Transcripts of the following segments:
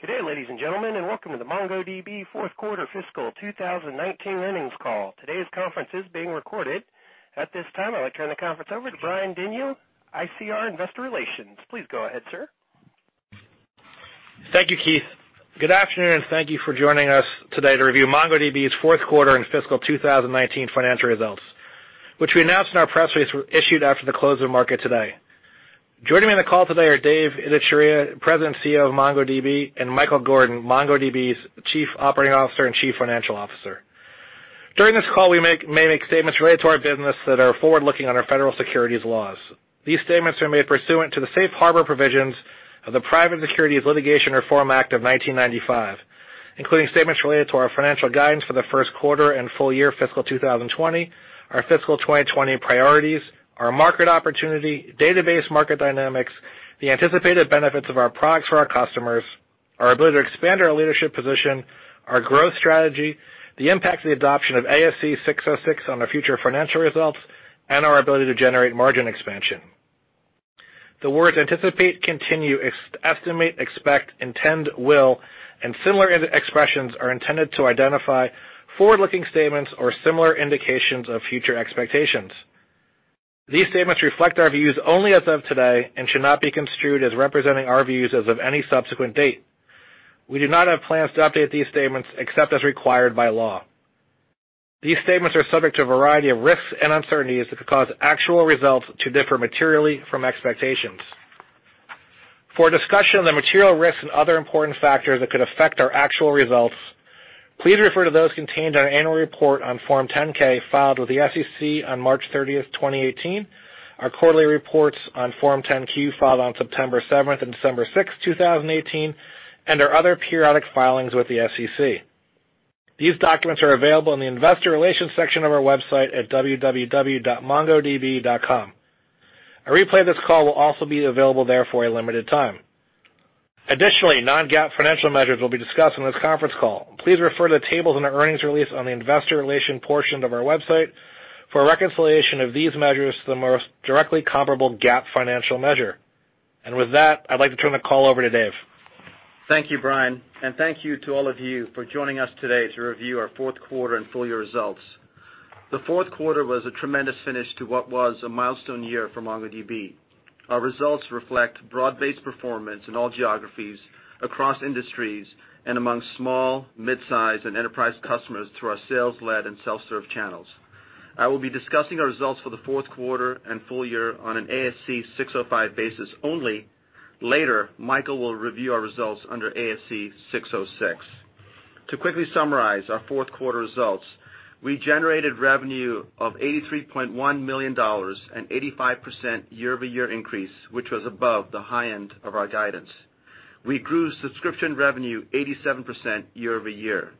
Good day, ladies and gentlemen, welcome to the MongoDB fourth quarter fiscal 2019 earnings call. Today's conference is being recorded. At this time, I'll turn the conference over to Brian Denyeau, ICR Investor Relations. Please go ahead, sir. Thank you, Keith. Good afternoon, thank you for joining us today to review MongoDB's fourth quarter and fiscal 2019 financial results, which we announced in our press release issued after the close of the market today. Joining me on the call today are Dev Ittycheria, President and CEO of MongoDB, and Michael Gordon, MongoDB's Chief Operating Officer and Chief Financial Officer. During this call, we may make statements related to our business that are forward-looking under federal securities laws. These statements are made pursuant to the safe harbor provisions of the Private Securities Litigation Reform Act of 1995, including statements related to our financial guidance for the first quarter and full year fiscal 2020, our fiscal 2020 priorities, our market opportunity, database market dynamics, the anticipated benefits of our products for our customers, our ability to expand our leadership position, our growth strategy, the impact of the adoption of ASC 606 on our future financial results, and our ability to generate margin expansion. The words anticipate, continue, estimate, expect, intend, will, and similar expressions are intended to identify forward-looking statements or similar indications of future expectations. These statements reflect our views only as of today and should not be construed as representing our views as of any subsequent date. We do not have plans to update these statements except as required by law. These statements are subject to a variety of risks and uncertainties that could cause actual results to differ materially from expectations. For a discussion of the material risks and other important factors that could affect our actual results, please refer to those contained in our annual report on Form 10-K filed with the SEC on March 30th, 2018, our quarterly reports on Form 10-Q filed on September 7th and December 6th, 2018, and our other periodic filings with the SEC. These documents are available in the investor relations section of our website at www.mongodb.com. A replay of this call will also be available there for a limited time. Additionally, non-GAAP financial measures will be discussed on this conference call. Please refer to the tables in the earnings release on the investor relation portion of our website for a reconciliation of these measures to the most directly comparable GAAP financial measure. With that, I'd like to turn the call over to Dev. Thank you, Brian, and thank you to all of you for joining us today to review our fourth quarter and full-year results. The fourth quarter was a tremendous finish to what was a milestone year for MongoDB. Our results reflect broad-based performance in all geographies, across industries, and among small, mid-size, and enterprise customers through our sales-led and self-serve channels. I will be discussing our results for the fourth quarter and full year on an ASC 605 basis only. Later, Michael will review our results under ASC 606. To quickly summarize our fourth quarter results, we generated revenue of $83.1 million, an 85% year-over-year increase, which was above the high end of our guidance. We grew subscription revenue 87% year-over-year.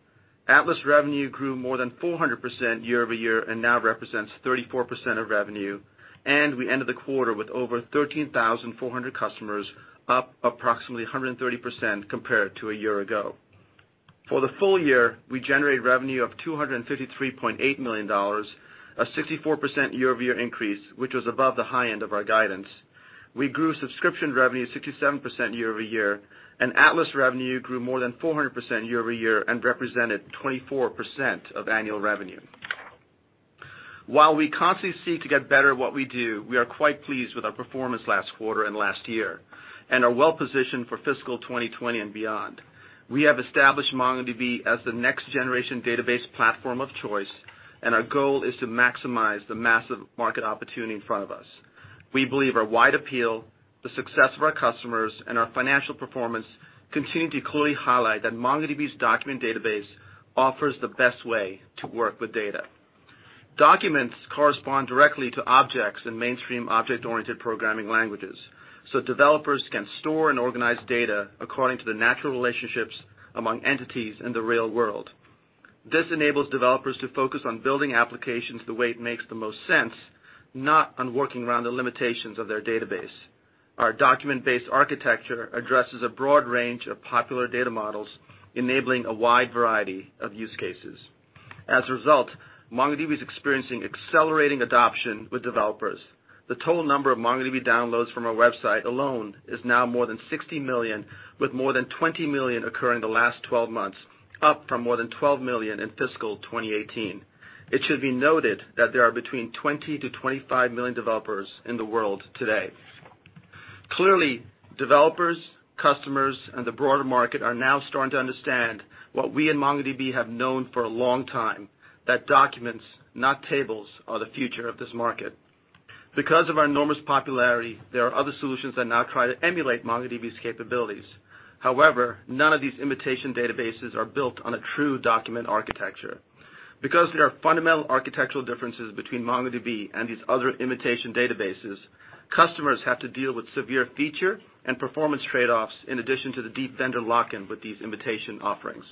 Atlas revenue grew more than 400% year-over-year and now represents 34% of revenue. We ended the quarter with over 13,400 customers, up approximately 130% compared to a year ago. For the full year, we generated revenue of $253.8 million, a 64% year-over-year increase, which was above the high end of our guidance. We grew subscription revenue 67% year-over-year, and Atlas revenue grew more than 400% year-over-year and represented 24% of annual revenue. While we constantly seek to get better at what we do, we are quite pleased with our performance last quarter and last year and are well-positioned for fiscal 2020 and beyond. We have established MongoDB as the next-generation database platform of choice, and our goal is to maximize the massive market opportunity in front of us. We believe our wide appeal, the success of our customers, and our financial performance continue to clearly highlight that MongoDB's document database offers the best way to work with data. Documents correspond directly to objects in mainstream object-oriented programming languages, developers can store and organize data according to the natural relationships among entities in the real world. This enables developers to focus on building applications the way it makes the most sense, not on working around the limitations of their database. Our document-based architecture addresses a broad range of popular data models, enabling a wide variety of use cases. As a result, MongoDB is experiencing accelerating adoption with developers. The total number of MongoDB downloads from our website alone is now more than 60 million, with more than 20 million occurring in the last 12 months, up from more than 12 million in fiscal 2018. It should be noted that there are between 20 to 25 million developers in the world today. Clearly, developers, customers, and the broader market are now starting to understand what we in MongoDB have known for a long time, that documents, not tables, are the future of this market. Because of our enormous popularity, there are other solutions that now try to emulate MongoDB's capabilities. However, none of these imitation databases are built on a true document architecture. Because there are fundamental architectural differences between MongoDB and these other imitation databases, customers have to deal with severe feature and performance trade-offs in addition to the deep vendor lock-in with these imitation offerings.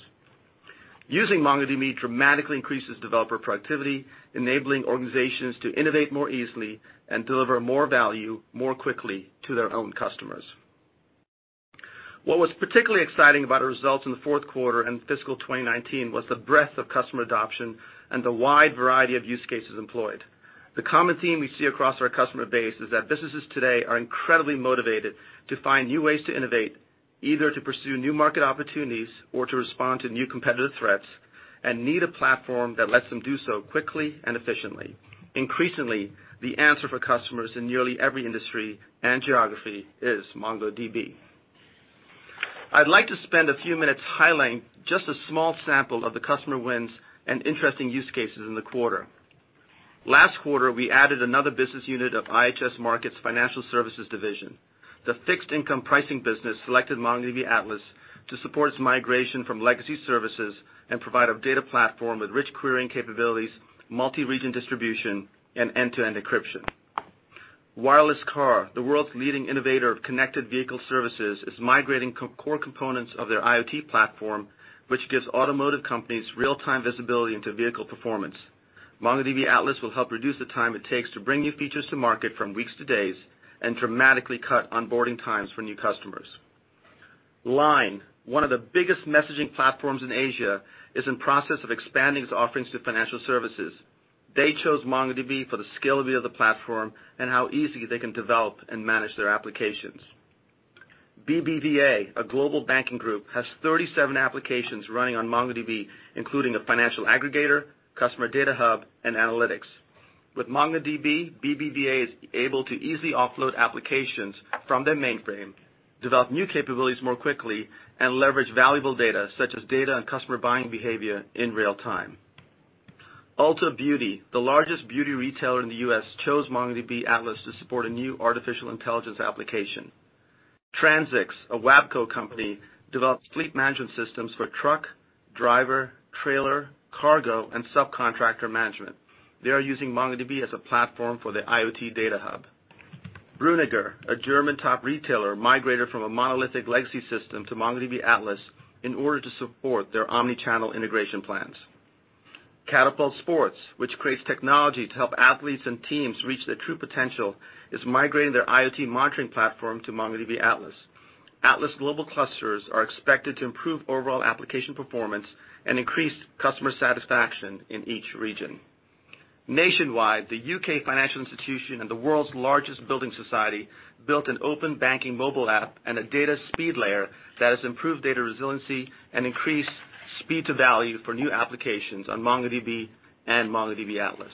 Using MongoDB dramatically increases developer productivity, enabling organizations to innovate more easily and deliver more value more quickly to their own customers. What was particularly exciting about our results in the fourth quarter and fiscal 2019 was the breadth of customer adoption and the wide variety of use cases employed. The common theme we see across our customer base is that businesses today are incredibly motivated to find new ways to innovate, either to pursue new market opportunities or to respond to new competitive threats, and need a platform that lets them do so quickly and efficiently. Increasingly, the answer for customers in nearly every industry and geography is MongoDB. I'd like to spend a few minutes highlighting just a small sample of the customer wins and interesting use cases in the quarter. Last quarter, we added another business unit of IHS Markit's financial services division. The fixed income pricing business selected MongoDB Atlas to support its migration from legacy services and provide a data platform with rich querying capabilities, multi-region distribution, and end-to-end encryption. WirelessCar, the world's leading innovator of connected vehicle services, is migrating core components of their IoT platform, which gives automotive companies real-time visibility into vehicle performance. MongoDB Atlas will help reduce the time it takes to bring new features to market from weeks to days and dramatically cut onboarding times for new customers. LINE, one of the biggest messaging platforms in Asia, is in process of expanding its offerings to financial services. They chose MongoDB for the scalability of the platform and how easily they can develop and manage their applications. BBVA, a global banking group, has 37 applications running on MongoDB, including a financial aggregator, customer data hub, and analytics. With MongoDB, BBVA is able to easily offload applications from their mainframe, develop new capabilities more quickly, and leverage valuable data, such as data on customer buying behavior in real time. Ulta Beauty, the largest beauty retailer in the U.S., chose MongoDB Atlas to support a new artificial intelligence application. Transics, a WABCO company, develops fleet management systems for truck, driver, trailer, cargo, and subcontractor management. They are using MongoDB as a platform for their IoT data hub. Breuninger, a German top retailer, migrated from a monolithic legacy system to MongoDB Atlas in order to support their omni-channel integration plans. Catapult Sports, which creates technology to help athletes and teams reach their true potential, is migrating their IoT monitoring platform to MongoDB Atlas. Atlas global clusters are expected to improve overall application performance and increase customer satisfaction in each region. Nationwide, the U.K. financial institution and the world's largest building society, built an open banking mobile app and a data speed layer that has improved data resiliency and increased speed to value for new applications on MongoDB and MongoDB Atlas.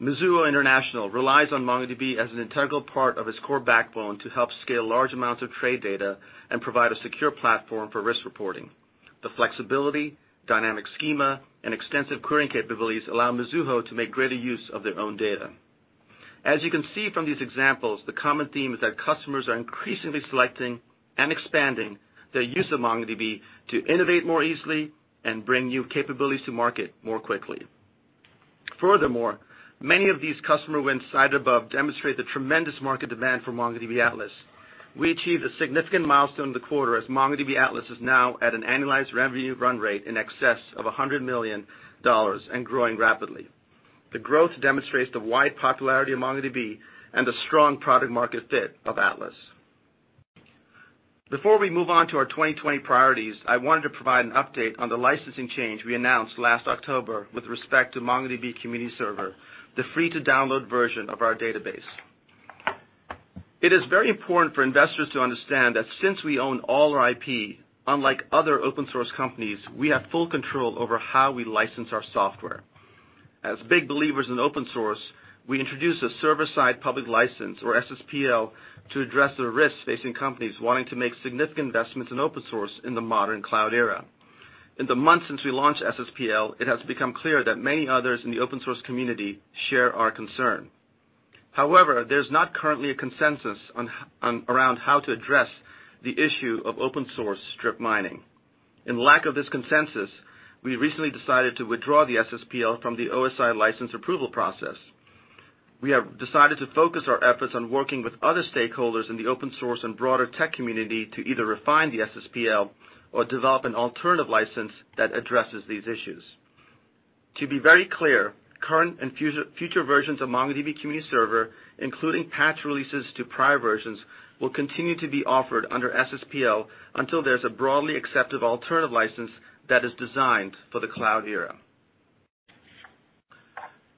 Mizuho International relies on MongoDB as an integral part of its core backbone to help scale large amounts of trade data and provide a secure platform for risk reporting. The flexibility, dynamic schema, and extensive querying capabilities allow Mizuho to make greater use of their own data. As you can see from these examples, the common theme is that customers are increasingly selecting and expanding their use of MongoDB to innovate more easily and bring new capabilities to market more quickly. Furthermore, many of these customer wins cited above demonstrate the tremendous market demand for MongoDB Atlas. We achieved a significant milestone in the quarter as MongoDB Atlas is now at an annualized revenue run rate in excess of $100 million and growing rapidly. The growth demonstrates the wide popularity of MongoDB and the strong product market fit of Atlas. Before we move on to our 2020 priorities, I wanted to provide an update on the licensing change we announced last October with respect to MongoDB Community Server, the free to download version of our database. It is very important for investors to understand that since we own all our IP, unlike other open source companies, we have full control over how we license our software. As big believers in open source, we introduced a server-side public license, or SSPL, to address the risks facing companies wanting to make significant investments in open source in the modern cloud era. In the months since we launched SSPL, it has become clear that many others in the open-source community share our concern. There's not currently a consensus around how to address the issue of open-source strip mining. In lack of this consensus, we recently decided to withdraw the SSPL from the OSI license approval process. We have decided to focus our efforts on working with other stakeholders in the open source and broader tech community to either refine the SSPL or develop an alternative license that addresses these issues. To be very clear, current and future versions of MongoDB Community Server, including patch releases to prior versions, will continue to be offered under SSPL until there's a broadly acceptable alternative license that is designed for the cloud era.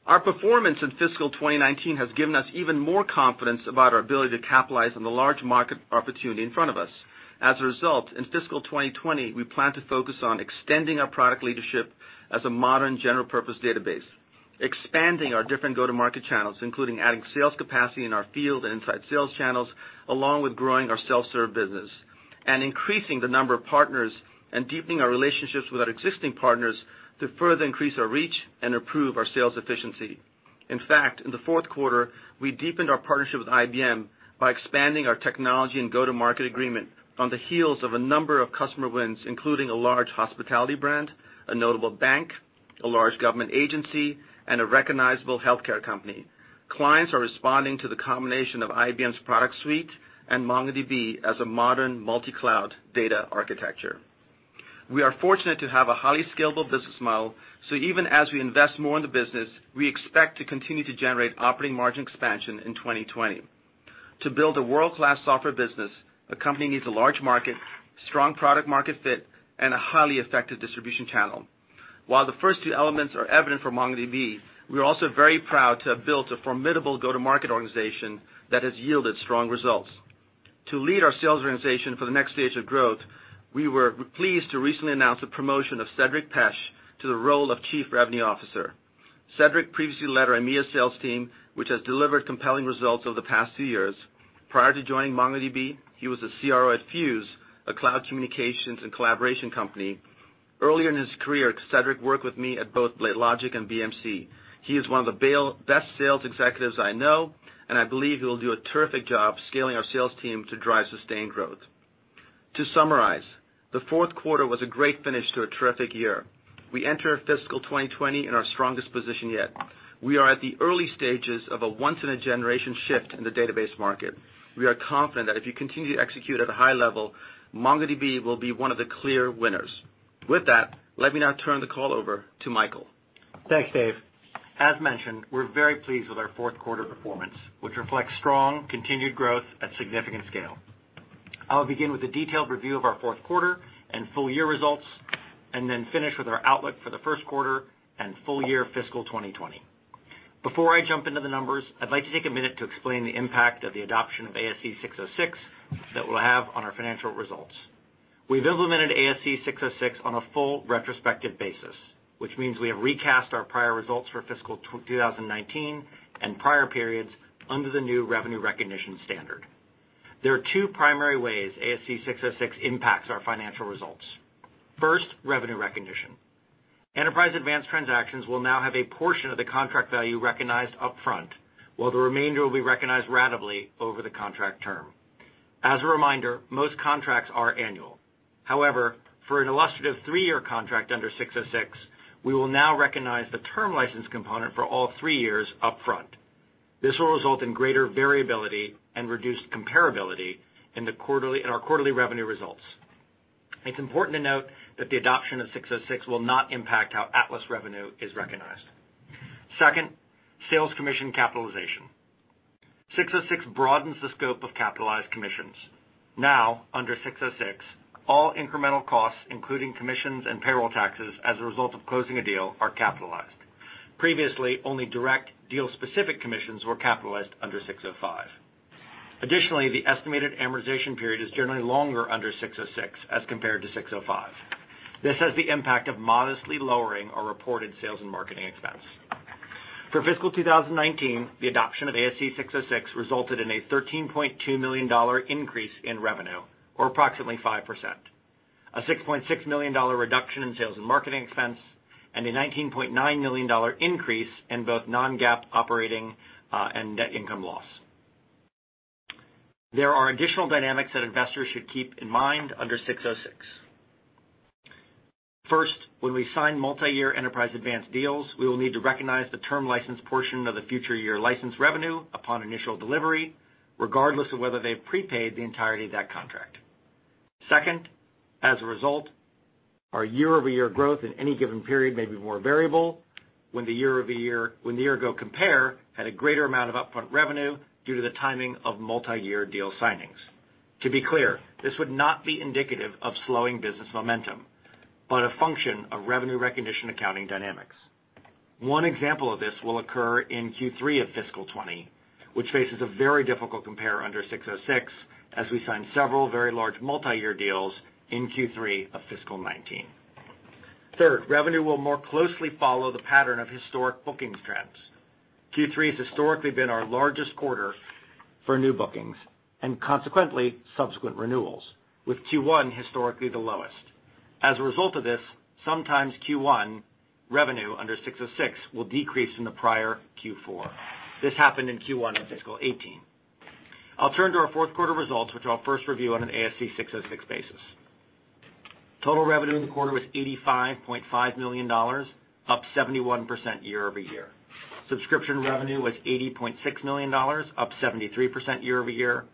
Our performance in fiscal 2019 has given us even more confidence about our ability to capitalize on the large market opportunity in front of us. In fiscal 2020, we plan to focus on extending our product leadership as a modern general-purpose database, expanding our different go-to-market channels, including adding sales capacity in our field and inside sales channels, along with growing our self-serve business, and increasing the number of partners and deepening our relationships with our existing partners to further increase our reach and improve our sales efficiency. In fact, in the fourth quarter, we deepened our partnership with IBM by expanding our technology and go-to-market agreement on the heels of a number of customer wins, including a large hospitality brand, a notable bank, a large government agency, and a recognizable healthcare company. Clients are responding to the combination of IBM's product suite and MongoDB as a modern multi-cloud data architecture. We are fortunate to have a highly scalable business model, so even as we invest more in the business, we expect to continue to generate operating margin expansion in 2020. To build a world-class software business, a company needs a large market, strong product market fit, and a highly effective distribution channel. While the first two elements are evident for MongoDB, we are also very proud to have built a formidable go-to-market organization that has yielded strong results. To lead our sales organization for the next stage of growth, we were pleased to recently announce the promotion of Cedric Pech to the role of Chief Revenue Officer. Cedric previously led our EMEA sales team, which has delivered compelling results over the past two years. Prior to joining MongoDB, he was a CRO at Fuze, a cloud communications and collaboration company. Earlier in his career, Cedric worked with me at both BladeLogic and BMC. He is one of the best sales executives I know, and I believe he will do a terrific job scaling our sales team to drive sustained growth. To summarize, the fourth quarter was a great finish to a terrific year. We enter fiscal 2020 in our strongest position yet. We are at the early stages of a once-in-a-generation shift in the database market. We are confident that if we continue to execute at a high level, MongoDB will be one of the clear winners. With that, let me now turn the call over to Michael. Thanks, Dev. As mentioned, we're very pleased with our fourth quarter performance, which reflects strong continued growth at significant scale. I'll begin with a detailed review of our fourth quarter and full year results. Then finish with our outlook for the first quarter and full year fiscal 2020. Before I jump into the numbers, I'd like to take a minute to explain the impact of the adoption of ASC 606 that we'll have on our financial results. We've implemented ASC 606 on a full retrospective basis, which means we have recast our prior results for fiscal 2019 and prior periods under the new revenue recognition standard. There are two primary ways ASC 606 impacts our financial results. First, revenue recognition. Enterprise Advanced transactions will now have a portion of the contract value recognized upfront, while the remainder will be recognized ratably over the contract term. As a reminder, most contracts are annual. However, for an illustrative three-year contract under 606, we will now recognize the term license component for all three years upfront. This will result in greater variability and reduced comparability in our quarterly revenue results. It's important to note that the adoption of 606 will not impact how Atlas revenue is recognized. Second, sales commission capitalization. 606 broadens the scope of capitalized commissions. Now, under 606, all incremental costs, including commissions and payroll taxes as a result of closing a deal, are capitalized. Previously, only direct deal-specific commissions were capitalized under 605. Additionally, the estimated amortization period is generally longer under 606 as compared to 605. This has the impact of modestly lowering our reported sales and marketing expense. For fiscal 2019, the adoption of ASC 606 resulted in a $13.2 million increase in revenue, or approximately 5%, a $6.6 million reduction in sales and marketing expense, and a $19.9 million increase in both non-GAAP operating and net income loss. There are additional dynamics that investors should keep in mind under 606. First, when we sign multi-year Enterprise Advanced deals, we will need to recognize the term license portion of the future year license revenue upon initial delivery, regardless of whether they've prepaid the entirety of that contract. Second, as a result, our year-over-year growth in any given period may be more variable when the year-ago compare had a greater amount of upfront revenue due to the timing of multi-year deal signings. To be clear, this would not be indicative of slowing business momentum, but a function of revenue recognition accounting dynamics. One example of this will occur in Q3 of fiscal 2020, which faces a very difficult compare under 606 as we signed several very large multi-year deals in Q3 of fiscal 2019. Third, revenue will more closely follow the pattern of historic bookings trends. Q3 has historically been our largest quarter for new bookings, and consequently, subsequent renewals, with Q1 historically the lowest. As a result of this, sometimes Q1 revenue under 606 will decrease from the prior Q4. This happened in Q1 of fiscal 2018. I'll turn to our fourth quarter results, which I'll first review on an ASC 606 basis. Total revenue in the quarter was $85.5 million, up 71% year-over-year. Subscription revenue was $80.6 million, up 73% year-over-year.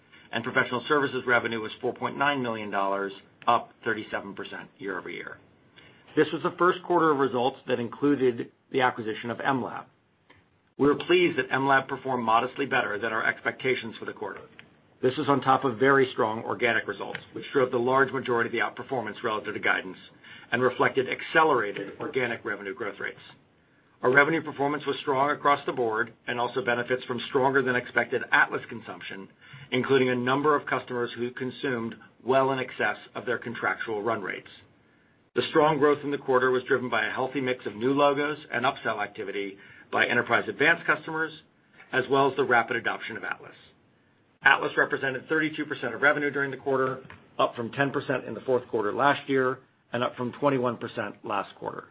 Professional services revenue was $4.9 million, up 37% year-over-year. This was the first quarter of results that included the acquisition of mLab. We were pleased that mLab performed modestly better than our expectations for the quarter. This was on top of very strong organic results, which drove the large majority of the outperformance relative to guidance and reflected accelerated organic revenue growth rates. Our revenue performance was strong across the board and also benefits from stronger-than-expected Atlas consumption, including a number of customers who consumed well in excess of their contractual run rates. The strong growth in the quarter was driven by a healthy mix of new logos and upsell activity by Enterprise Advanced customers, as well as the rapid adoption of Atlas. Atlas represented 32% of revenue during the quarter, up from 10% in the fourth quarter last year, and up from 21% last quarter.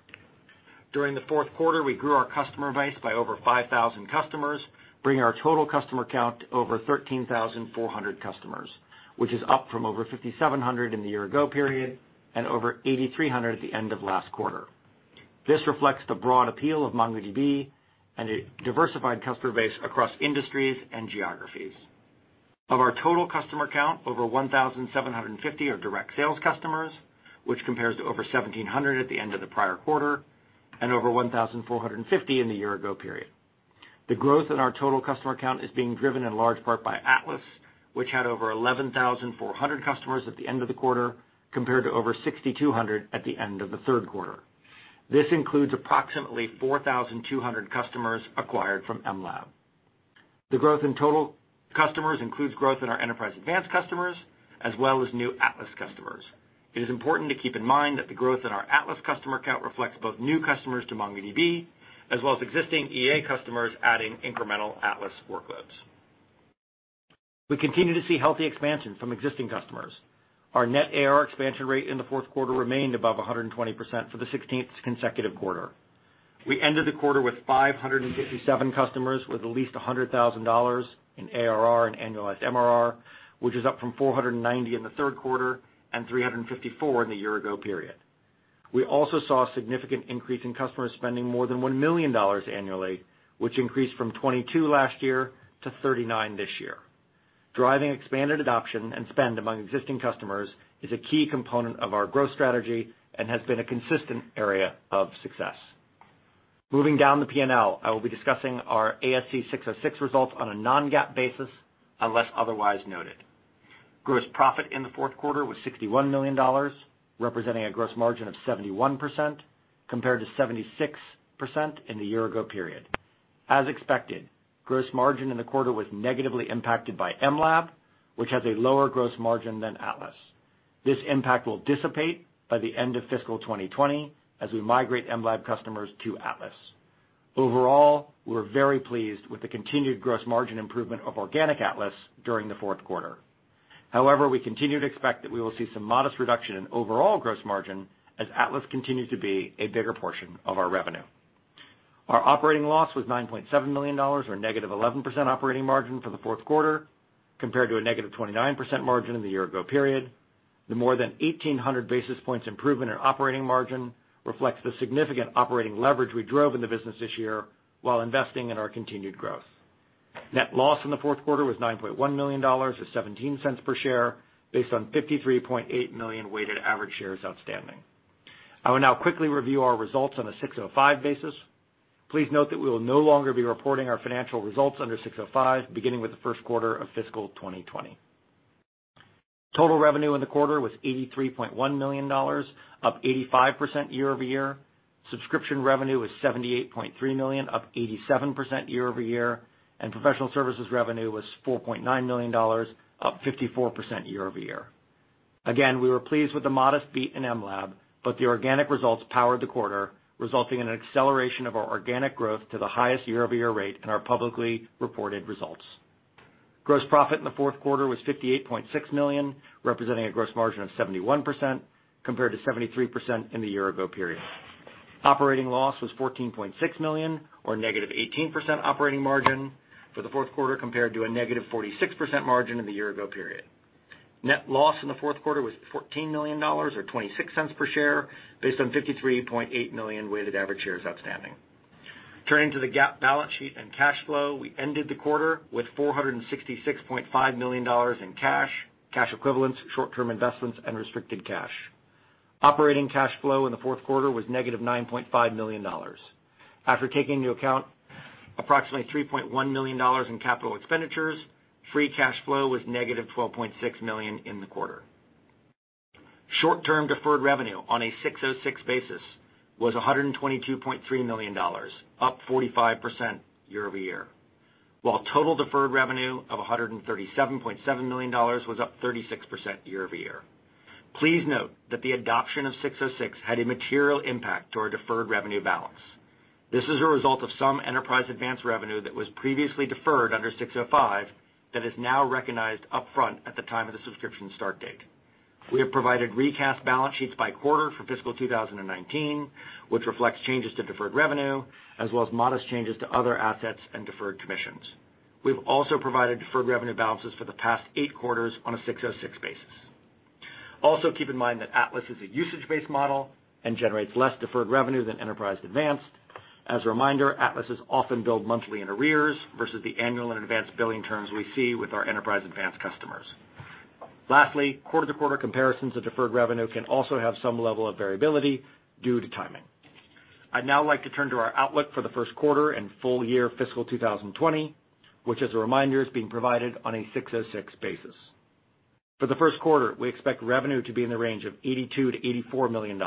During the fourth quarter, we grew our customer base by over 5,000 customers, bringing our total customer count to over 13,400 customers, which is up from over 5,700 in the year-ago period and over 8,300 at the end of last quarter. This reflects the broad appeal of MongoDB and a diversified customer base across industries and geographies. Of our total customer count, over 1,750 are direct sales customers, which compares to over 1,700 at the end of the prior quarter. Over 1,450 in the year-ago period. The growth in our total customer count is being driven in large part by Atlas, which had over 11,400 customers at the end of the quarter, compared to over 6,200 at the end of the third quarter. This includes approximately 4,200 customers acquired from mLab. The growth in total customers includes growth in our Enterprise Advanced customers, as well as new Atlas customers. It is important to keep in mind that the growth in our Atlas customer count reflects both new customers to MongoDB, as well as existing EA customers adding incremental Atlas workloads. We continue to see healthy expansion from existing customers. Our net ARR expansion rate in the fourth quarter remained above 120% for the 16th consecutive quarter. We ended the quarter with 557 customers with at least $100,000 in ARR and annualized MRR, which is up from 490 in the third quarter and 354 in the year-ago period. We also saw a significant increase in customers spending more than $1 million annually, which increased from 22 last year to 39 this year. Driving expanded adoption and spend among existing customers is a key component of our growth strategy and has been a consistent area of success. Moving down the P&L, I will be discussing our ASC 606 results on a non-GAAP basis unless otherwise noted. Gross profit in the fourth quarter was $61 million, representing a gross margin of 71%, compared to 76% in the year-ago period. As expected, gross margin in the quarter was negatively impacted by mLab, which has a lower gross margin than Atlas. This impact will dissipate by the end of fiscal 2020 as we migrate mLab customers to Atlas. Overall, we're very pleased with the continued gross margin improvement of organic Atlas during the fourth quarter. However, we continue to expect that we will see some modest reduction in overall gross margin as Atlas continues to be a bigger portion of our revenue. Our operating loss was $9.7 million, or -11% operating margin for the fourth quarter, compared to a -29% margin in the year-ago period. The more than 1,800 basis points improvement in operating margin reflects the significant operating leverage we drove in the business this year while investing in our continued growth. Net loss in the fourth quarter was $9.1 million, or $0.17 per share, based on 53.8 million weighted average shares outstanding. I will now quickly review our results on a 605 basis. Please note that we will no longer be reporting our financial results under 605, beginning with the first quarter of fiscal 2020. Total revenue in the quarter was $83.1 million, up 85% year-over-year. Subscription revenue was $78.3 million, up 87% year-over-year. Professional services revenue was $4.9 million, up 54% year-over-year. Again, we were pleased with the modest beat in mLab, but the organic results powered the quarter, resulting in an acceleration of our organic growth to the highest year-over-year rate in our publicly reported results. Gross profit in the fourth quarter was $58.6 million, representing a gross margin of 71%, compared to 73% in the year-ago period. Operating loss was $14.6 million, or -18% operating margin for the fourth quarter, compared to a -46% margin in the year-ago period. Net loss in the fourth quarter was $14 million, or $0.26 per share, based on 53.8 million weighted average shares outstanding. Turning to the GAAP balance sheet and cash flow, we ended the quarter with $466.5 million in cash equivalents, short-term investments, and restricted cash. Operating cash flow in the fourth quarter was -$9.5 million. After taking into account approximately $3.1 million in capital expenditures, free cash flow was -$12.6 million in the quarter. Short-term deferred revenue on a 606 basis was $122.3 million, up 45% year-over-year. Total deferred revenue of $137.7 million was up 36% year-over-year. Please note that the adoption of ASC 606 had a material impact to our deferred revenue balance. This is a result of some Enterprise Advanced revenue that was previously deferred under ASC 605 that is now recognized upfront at the time of the subscription start date. We have provided recast balance sheets by quarter for fiscal 2019, which reflects changes to deferred revenue, as well as modest changes to other assets and deferred commissions. We've also provided deferred revenue balances for the past eight quarters on an ASC 606 basis. Also, keep in mind that Atlas is a usage-based model and generates less deferred revenue than Enterprise Advanced. As a reminder, Atlas is often billed monthly in arrears versus the annual and advanced billing terms we see with our Enterprise Advanced customers. Lastly, quarter-to-quarter comparisons of deferred revenue can also have some level of variability due to timing. I'd now like to turn to our outlook for the first quarter and full year fiscal 2020, which as a reminder, is being provided on an ASC 606 basis. For the first quarter, we expect revenue to be in the range of $82 million-$84 million.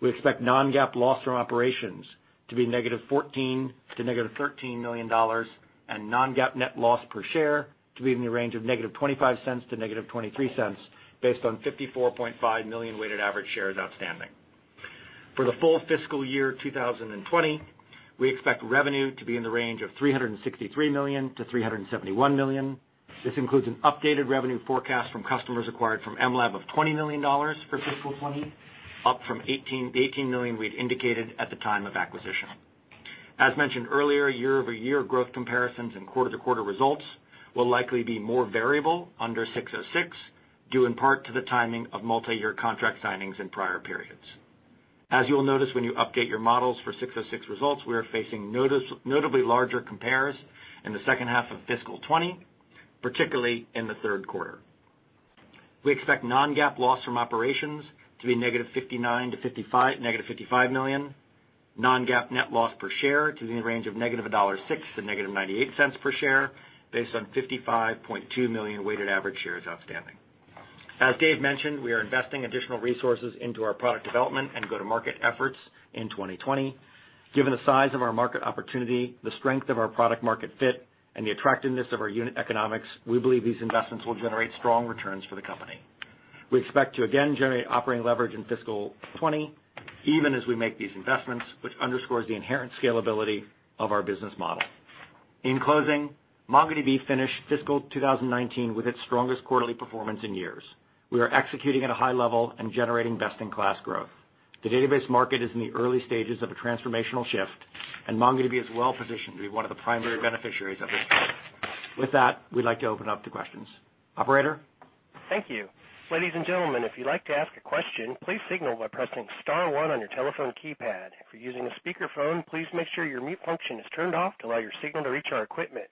We expect non-GAAP loss from operations to be negative $14 million to negative $13 million, and non-GAAP net loss per share to be in the range of negative $0.25 to negative $0.23 based on 54.5 million weighted average shares outstanding. For the full fiscal year 2020, we expect revenue to be in the range of $363 million-$371 million. This includes an updated revenue forecast from customers acquired from mLab of $20 million for fiscal 2020, up from $18 million we'd indicated at the time of acquisition. As mentioned earlier, year-over-year growth comparisons and quarter-to-quarter results will likely be more variable under ASC 606, due in part to the timing of multi-year contract signings in prior periods. As you will notice when you update your models for ASC 606 results, we are facing notably larger compares in the second half of fiscal 2020, particularly in the third quarter. We expect non-GAAP loss from operations to be negative $59 million to negative $55 million, non-GAAP net loss per share to be in the range of negative $1.06 to negative $0.98 per share based on 55.2 million weighted average shares outstanding. As Dev mentioned, we are investing additional resources into our product development and go-to-market efforts in 2020. Given the size of our market opportunity, the strength of our product market fit, and the attractiveness of our unit economics, we believe these investments will generate strong returns for the company. We expect to again generate operating leverage in fiscal 2020, even as we make these investments, which underscores the inherent scalability of our business model. In closing, MongoDB finished fiscal 2019 with its strongest quarterly performance in years. We are executing at a high level and generating best-in-class growth. The database market is in the early stages of a transformational shift, and MongoDB is well-positioned to be one of the primary beneficiaries of this shift. With that, we'd like to open up to questions. Operator? Thank you. Ladies and gentlemen, if you'd like to ask a question, please signal by pressing star one on your telephone keypad. If you're using a speakerphone, please make sure your mute function is turned off to allow your signal to reach our equipment.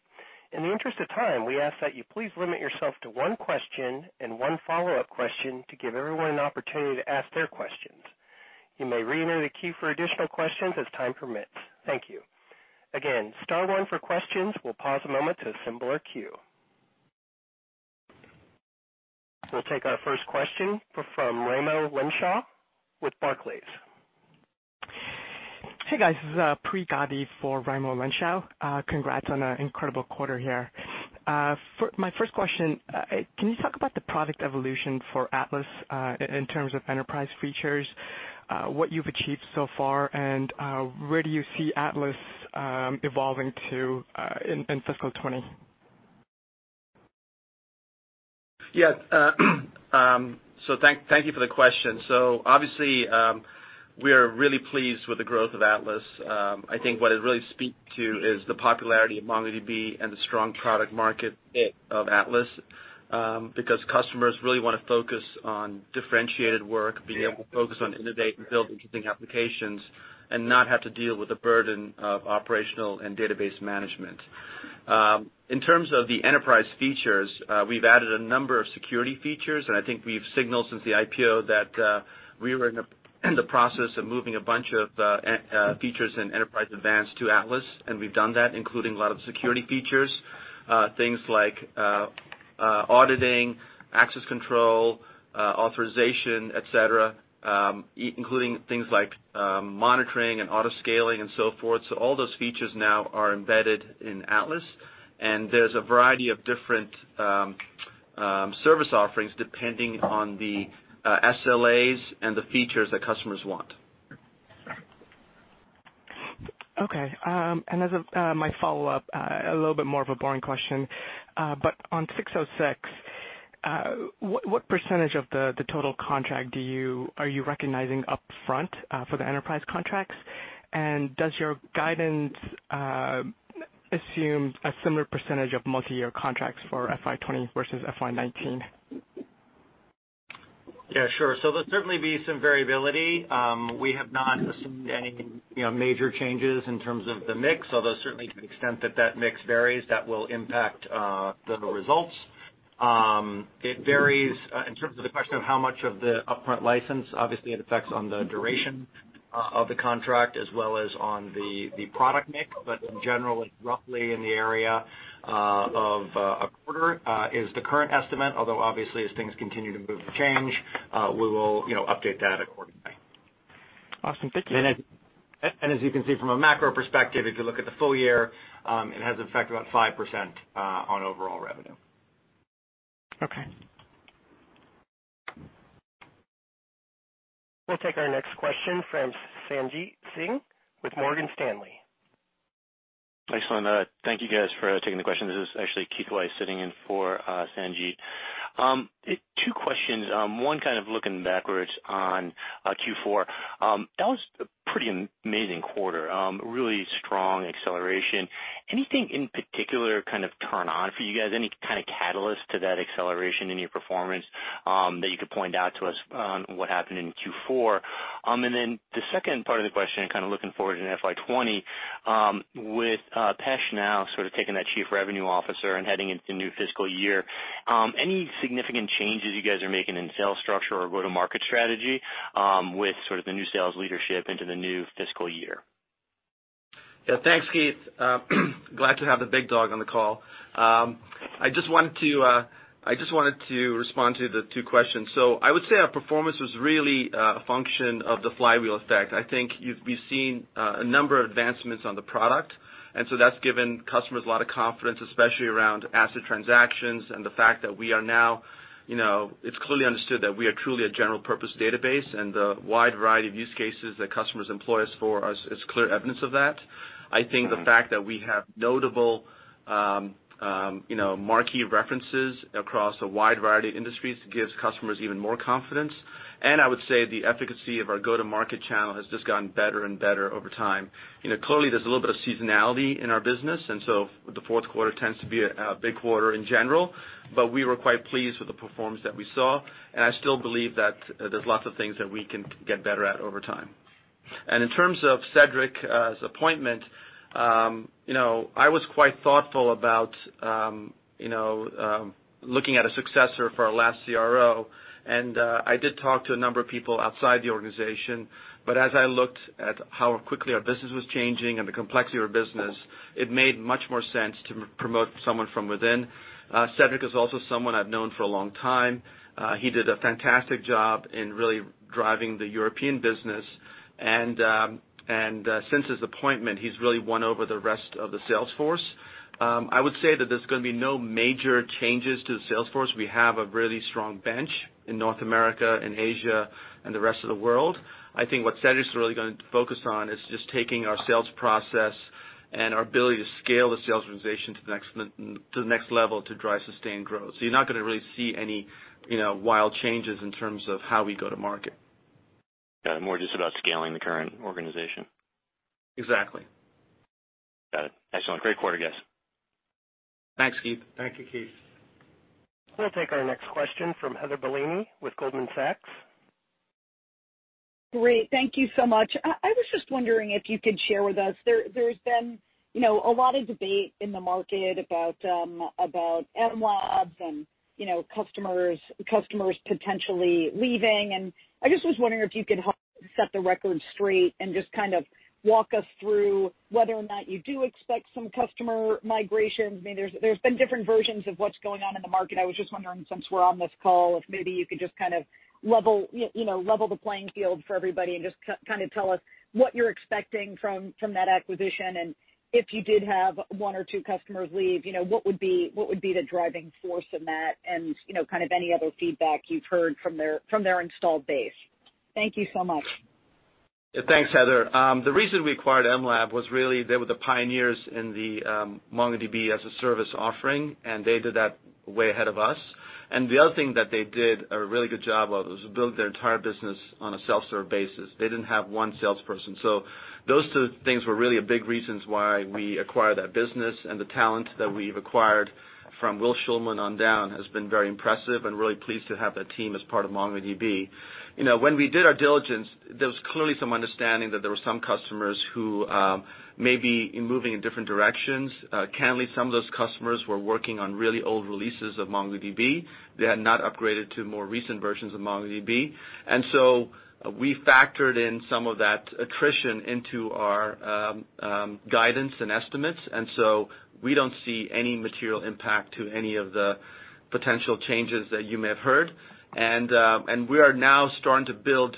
In the interest of time, we ask that you please limit yourself to one question and one follow-up question to give everyone an opportunity to ask their questions. You may reenter the queue for additional questions as time permits. Thank you. Again, star one for questions. We'll pause a moment to assemble our queue. We'll take our first question from Raimo Lenschow with Barclays. Hey, guys. This is Pree Gadey for Raimo Lenschow. Congrats on an incredible quarter here. My first question, can you talk about the product evolution for Atlas, in terms of enterprise features, what you've achieved so far, and where do you see Atlas evolving to in fiscal 2020? Thank you for the question. Obviously, we are really pleased with the growth of Atlas. I think what it really speaks to is the popularity of MongoDB and the strong product market fit of Atlas, because customers really want to focus on differentiated work, being able to focus on innovate and build interesting applications, and not have to deal with the burden of operational and database management. In terms of the enterprise features, we've added a number of security features. I think we've signaled since the IPO that we were in the process of moving a bunch of features in Enterprise Advanced to Atlas. We've done that, including a lot of the security features. Things like auditing, access control, authorization, et cetera, including things like monitoring and auto-scaling and so forth. All those features now are embedded in Atlas, and there's a variety of different service offerings depending on the SLAs and the features that customers want. As my follow-up, a little bit more of a boring question. On ASC 606, what percentage of the total contract are you recognizing upfront for the enterprise contracts? Does your guidance assume a similar percentage of multiyear contracts for FY 2020 versus FY 2019? Yeah, sure. There'll certainly be some variability. We have not assumed any major changes in terms of the mix, although certainly to the extent that that mix varies, that will impact the results. It varies in terms of the question of how much of the upfront license, obviously it affects on the duration of the contract as well as on the product mix. In general, it's roughly in the area of a quarter is the current estimate, although obviously, as things continue to change, we will update that accordingly. Awesome. Thank you. As you can see from a macro perspective, if you look at the full year, it has an effect about 5% on overall revenue. Okay. We'll take our next question from Sanjit Singh with Morgan Stanley. Excellent. Thank you guys for taking the question. This is actually Keith Weiss sitting in for Sanjit. Two questions. One kind of looking backwards on Q4. That was a pretty amazing quarter. Really strong acceleration. Anything in particular kind of turn on for you guys? Any kind of catalyst to that acceleration in your performance that you could point out to us on what happened in Q4? Then the second part of the question, kind of looking forward in FY 2020, with Pech now sort of taking that Chief Revenue Officer and heading into the new fiscal year, any significant changes you guys are making in sales structure or go-to-market strategy with sort of the new sales leadership into the new fiscal year? Yeah. Thanks, Keith. Glad to have the big dog on the call. I just wanted to respond to the two questions. I would say our performance was really a function of the flywheel effect. I think you've been seeing a number of advancements on the product, that's given customers a lot of confidence, especially around ACID transactions and the fact that we are now. It's clearly understood that we are truly a general-purpose database, and the wide variety of use cases that customers employ us for is clear evidence of that. I think the fact that we have notable marquee references across a wide variety of industries gives customers even more confidence. I would say the efficacy of our go-to-market channel has just gotten better and better over time. Clearly, there's a little bit of seasonality in our business, the fourth quarter tends to be a big quarter in general. We were quite pleased with the performance that we saw, and I still believe that there's lots of things that we can get better at over time. And in terms of Cedric's appointment, I was quite thoughtful about looking at a successor for our last CRO. I did talk to a number of people outside the organization. As I looked at how quickly our business was changing and the complexity of our business, it made much more sense to promote someone from within. Cedric is also someone I've known for a long time. He did a fantastic job in really driving the European business, since his appointment, he's really won over the rest of the sales force. I would say that there's going to be no major changes to the sales force. We have a really strong bench in North America and Asia and the rest of the world. I think what Cedric's really going to focus on is just taking our sales process and our ability to scale the sales organization to the next level to drive sustained growth. You're not going to really see any wild changes in terms of how we go to market. Got it. More just about scaling the current organization. Exactly. Got it. Excellent. Great quarter, guys. Thanks, Keith. Thank you, Keith. We'll take our next question from Heather Bellini with Goldman Sachs. Great. Thank you so much. I was just wondering if you could share with us. There's been a lot of debate in the market about mLab and customers potentially leaving. I was just wondering if you could help set the record straight. Just kind of walk us through whether or not you do expect some customer migrations. There's been different versions of what's going on in the market. I was just wondering, since we're on this call, if maybe you could just kind of level the playing field for everybody. Just kind of tell us what you're expecting from that acquisition. If you did have one or two customers leave, what would be the driving force in that? Kind of any other feedback you've heard from their installed base. Thank you so much. Thanks, Heather. The reason we acquired mLab was really they were the pioneers in the MongoDB as a service offering. They did that way ahead of us. The other thing that they did a really good job of was build their entire business on a self-serve basis. They didn't have one salesperson. Those two things were really big reasons why we acquired that business. The talent that we've acquired from Will Shulman on down has been very impressive and really pleased to have that team as part of MongoDB. When we did our diligence, there was clearly some understanding that there were some customers who may be moving in different directions. Candidly, some of those customers were working on really old releases of MongoDB. They had not upgraded to more recent versions of MongoDB. We factored in some of that attrition into our guidance and estimates, and so we don't see any material impact to any of the potential changes that you may have heard. We are now starting to build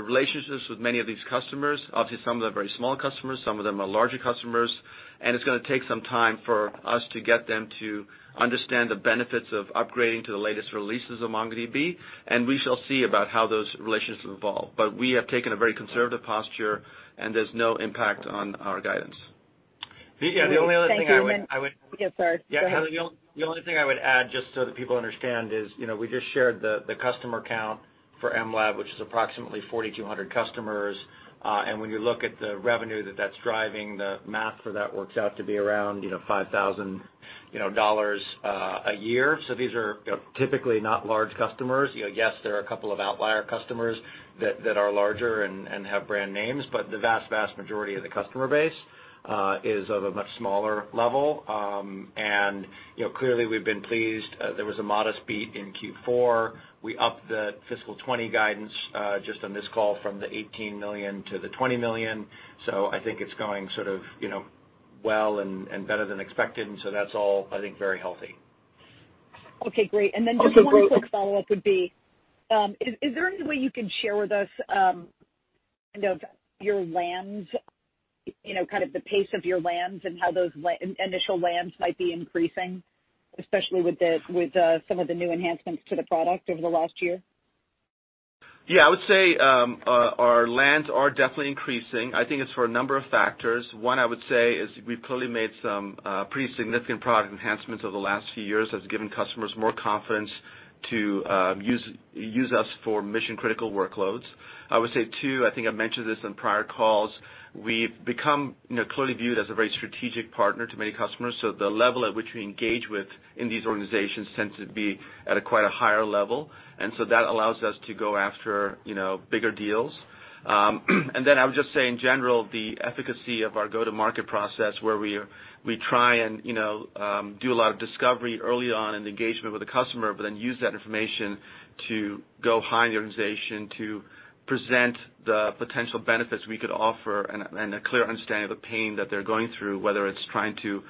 relationships with many of these customers. Obviously, some of them are very small customers, some of them are larger customers, and it's going to take some time for us to get them to understand the benefits of upgrading to the latest releases of MongoDB, and we shall see about how those relationships evolve. We have taken a very conservative posture, and there's no impact on our guidance. The only other thing I would- Thank you. Yeah, sorry. Go ahead. Yeah, Heather, the only thing I would add, just so that people understand, is we just shared the customer count for mLab, which is approximately 4,200 customers. When you look at the revenue that that's driving, the math for that works out to be around $5,000 a year. These are typically not large customers. Yes, there are a couple of outlier customers that are larger and have brand names, but the vast majority of the customer base is of a much smaller level. Clearly, we've been pleased. There was a modest beat in Q4. We upped the fiscal 2020 guidance just on this call from the $18 million to the $20 million. I think it's going sort of well and better than expected, and so that's all, I think, very healthy. Okay, great. Just one quick follow-up would be, is there any way you could share with us kind of the pace of your lands and how those initial lands might be increasing, especially with some of the new enhancements to the product over the last year? Yeah, I would say our lands are definitely increasing. I think it's for a number of factors. One, I would say, is we've clearly made some pretty significant product enhancements over the last few years that's given customers more confidence to use us for mission-critical workloads. I would say, two, I think I've mentioned this in prior calls, we've become clearly viewed as a very strategic partner to many customers. The level at which we engage with in these organizations tends to be at a quite a higher level, that allows us to go after bigger deals. I would just say, in general, the efficacy of our go-to-market process where we try and do a lot of discovery early on in engagement with the customer, use that information to go high in the organization to present the potential benefits we could offer and a clear understanding of the pain that they're going through, whether it's trying to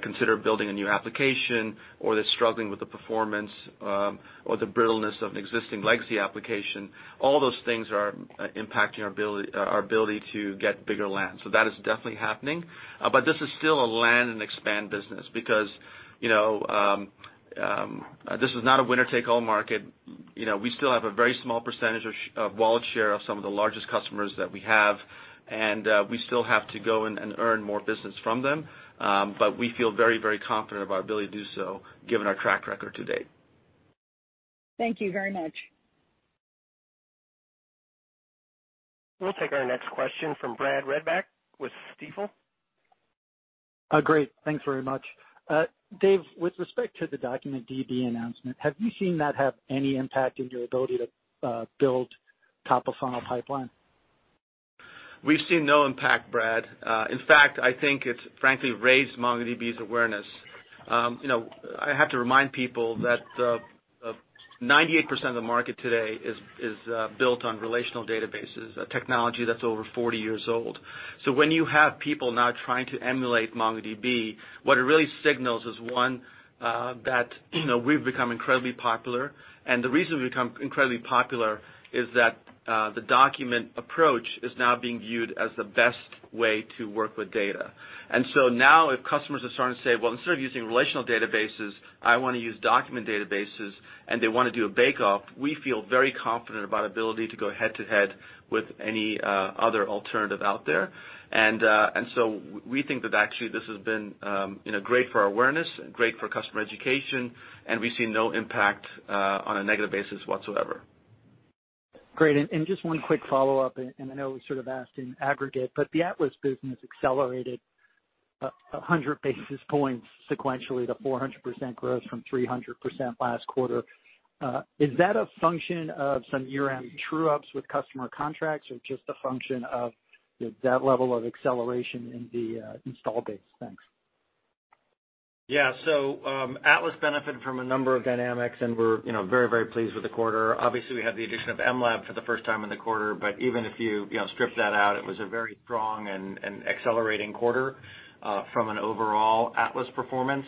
consider building a new application or they're struggling with the performance or the brittleness of an existing legacy application. All those things are impacting our ability to get bigger lands. That is definitely happening. This is still a land and expand business because this is not a winner-take-all market. We still have a very small % of wallet share of some of the largest customers that we have, and we still have to go and earn more business from them. We feel very confident of our ability to do so given our track record to date. Thank you very much. We'll take our next question from Brad Reback with Stifel. Great. Thanks very much. Dev, with respect to the DocumentDB announcement, have you seen that have any impact in your ability to build top-of-funnel pipeline? We've seen no impact, Brad. In fact, I think it's frankly raised MongoDB's awareness. I have to remind people that 98% of the market today is built on relational databases, a technology that's over 40 years old. When you have people now trying to emulate MongoDB, what it really signals is, one, that we've become incredibly popular, and the reason we've become incredibly popular is that the document approach is now being viewed as the best way to work with data. Now if customers are starting to say, "Well, instead of using relational databases, I want to use document databases," and they want to do a bake-off, we feel very confident about our ability to go head-to-head with any other alternative out there. We think that actually this has been great for our awareness and great for customer education, and we see no impact on a negative basis whatsoever. Great. Just one quick follow-up, and I know we sort of asked in aggregate, but the Atlas business accelerated 100 basis points sequentially to 400% growth from 300% last quarter. Is that a function of some year-end true-ups with customer contracts or just a function of that level of acceleration in the install base? Thanks. Atlas benefited from a number of dynamics, and we're very pleased with the quarter. Obviously, we had the addition of mLab for the first time in the quarter. Even if you strip that out, it was a very strong and accelerating quarter from an overall Atlas performance.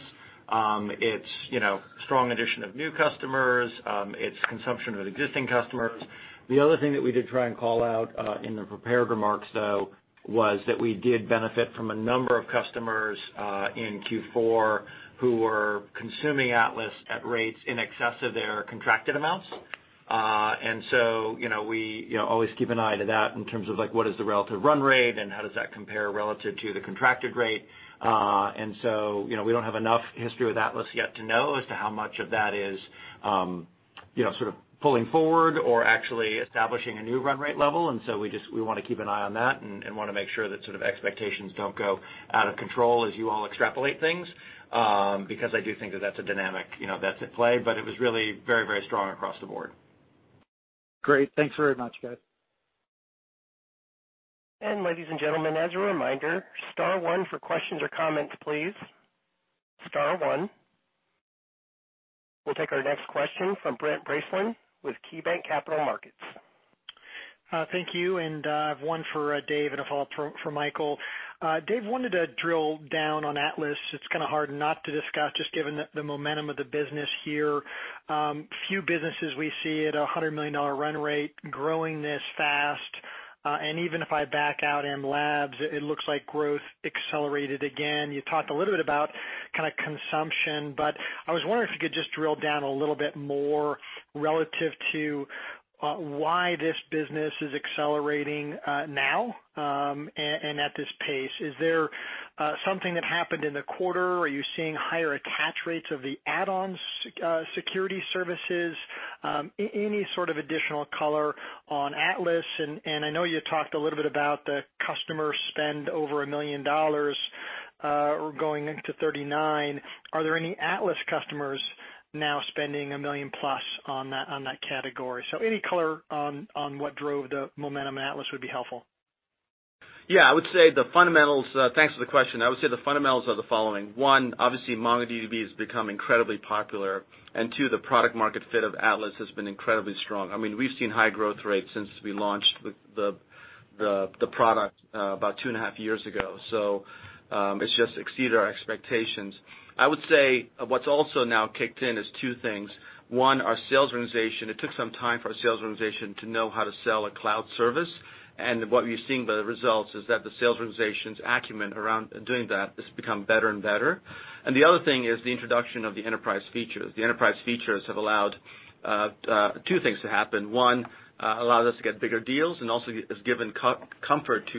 It's strong addition of new customers. It's consumption of existing customers. The other thing that we did try and call out in the prepared remarks, though, was that we did benefit from a number of customers in Q4 who were consuming Atlas at rates in excess of their contracted amounts. We always keep an eye to that in terms of what is the relative run rate and how does that compare relative to the contracted rate. We don't have enough history with Atlas yet to know as to how much of that is sort of pulling forward or actually establishing a new run rate level, we want to keep an eye on that and want to make sure that sort of expectations don't go out of control as you all extrapolate things, because I do think that that's a dynamic that's at play. It was really very strong across the board. Great. Thanks very much, guys. Ladies and gentlemen, as a reminder, star one for questions or comments, please. Star one. We'll take our next question from Brent Bracelin with KeyBanc Capital Markets. Thank you. I have one for Dev and a follow-up for Michael. Dev, wanted to drill down on Atlas. It's kind of hard not to discuss, just given the momentum of the business here. Few businesses we see at $100 million run rate growing this fast. Even if I back out mLab, it looks like growth accelerated again. You talked a little bit about kind of consumption, but I was wondering if you could just drill down a little bit more relative to why this business is accelerating now and at this pace. Is there something that happened in the quarter? Are you seeing higher attach rates of the add-ons security services? Any sort of additional color on Atlas, and I know you talked a little bit about the customer spend over a million dollars going to 39. Are there any Atlas customers now spending a million-plus on that category? Any color on what drove the momentum in Atlas would be helpful. Thanks for the question. I would say the fundamentals are the following. One, obviously MongoDB has become incredibly popular, and two, the product market fit of Atlas has been incredibly strong. We've seen high growth rates since we launched the product about two and a half years ago. It's just exceeded our expectations. I would say what's also now kicked in is two things. One, our sales organization. It took some time for our sales organization to know how to sell a cloud service. What we've seen by the results is that the sales organization's acumen around doing that has become better and better. The other thing is the introduction of the enterprise features. The enterprise features have allowed two things to happen. One, allowed us to get bigger deals, also has given comfort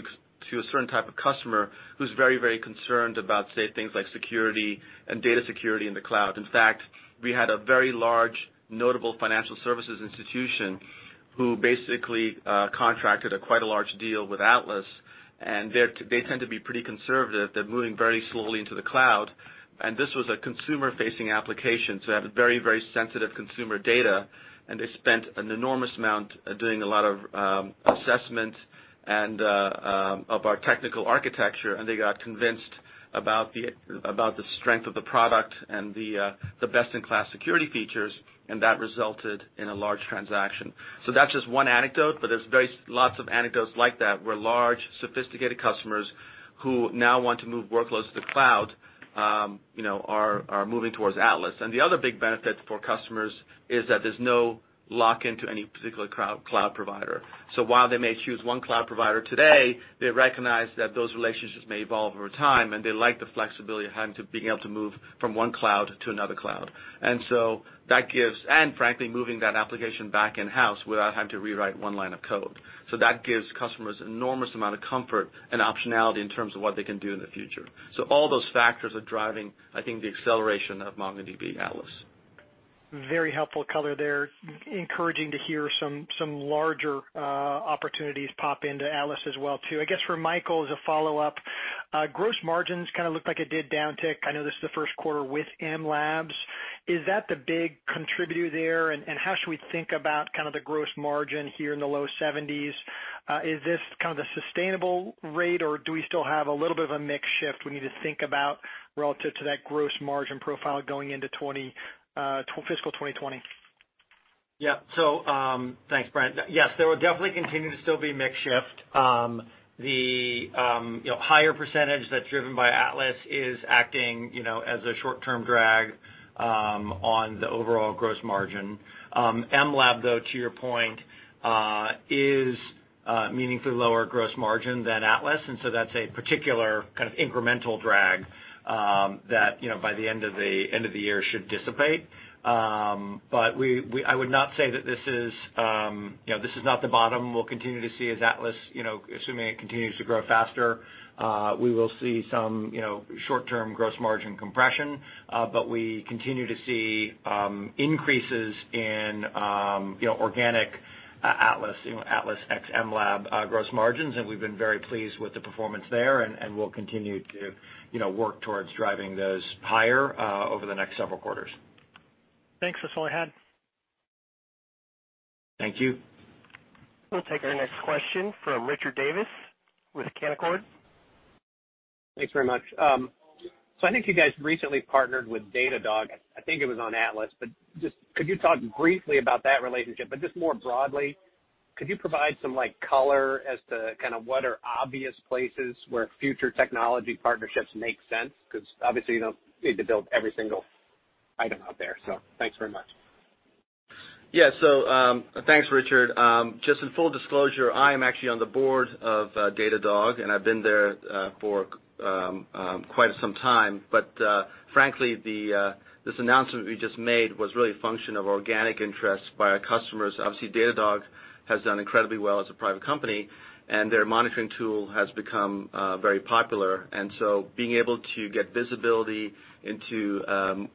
to a certain type of customer who's very concerned about, say, things like security and data security in the cloud. In fact, we had a very large, notable financial services institution who basically contracted quite a large deal with Atlas, they tend to be pretty conservative. They're moving very slowly into the cloud, this was a consumer-facing application, so it had very sensitive consumer data, they spent an enormous amount doing a lot of assessment of our technical architecture, they got convinced about the strength of the product and the best-in-class security features, that resulted in a large transaction. That's just one anecdote, but there's lots of anecdotes like that where large, sophisticated customers who now want to move workloads to the cloud are moving towards Atlas. The other big benefit for customers is that there's no lock-in to any particular cloud provider. While they may choose one cloud provider today, they recognize that those relationships may evolve over time, they like the flexibility of being able to move from one cloud to another cloud. Frankly, moving that application back in-house without having to rewrite one line of code. That gives customers enormous amount of comfort and optionality in terms of what they can do in the future. All those factors are driving, I think, the acceleration of MongoDB Atlas. Very helpful color there. Encouraging to hear some larger opportunities pop into Atlas as well too. I guess for Michael, as a follow-up, gross margins kind of looked like it did downtick. I know this is the first quarter with mLab. Is that the big contributor there? How should we think about the gross margin here in the low 70s? Is this kind of the sustainable rate, or do we still have a little bit of a mix shift we need to think about relative to that gross margin profile going into fiscal 2020? Thanks, Brent. Yes, there will definitely continue to still be mix shift. The higher percentage that's driven by Atlas is acting as a short-term drag on the overall gross margin. mLab, though, to your point, is meaningfully lower gross margin than Atlas, and so that's a particular kind of incremental drag that, by the end of the year, should dissipate. I would not say that this is not the bottom. We'll continue to see as Atlas, assuming it continues to grow faster, we will see some short-term gross margin compression. We continue to see increases in organic Atlas x mLab gross margins, and we've been very pleased with the performance there, and we'll continue to work towards driving those higher over the next several quarters. Thanks. That's all I had. Thank you. We'll take our next question from Richard Davis with Canaccord. Thanks very much. I think you guys recently partnered with Datadog, I think it was on Atlas. Just could you talk briefly about that relationship, just more broadly, could you provide some color as to kind of what are obvious places where future technology partnerships make sense? Obviously you don't need to build every single item out there, thanks very much. Yeah. Thanks, Richard. Just in full disclosure, I am actually on the board of Datadog, and I've been there for quite some time. Frankly, this announcement we just made was really a function of organic interest by our customers. Obviously, Datadog has done incredibly well as a private company, and their monitoring tool has become very popular. Being able to get visibility into